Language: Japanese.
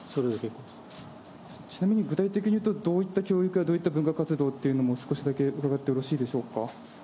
ちなみに、具体的にいうとどういった教育やどういった文化活動というのも、少しだけ伺ってよろしいでしょうか。